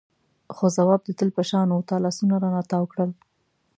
خو ځواب د تل په شان و تا لاسونه رانه تاو کړل.